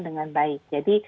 dengan baik jadi